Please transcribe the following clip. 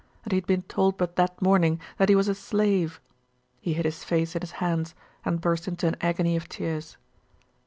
And he had been told but that morning that he was a slave. He hid his face in his hands, and burst into an agony of tears.